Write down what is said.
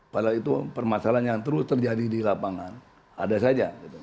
padahal itu permasalahan yang terus terjadi di lapangan ada saja